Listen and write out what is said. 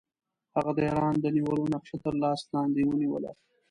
هغه د ایران د نیولو نقشه تر لاس لاندې ونیوله.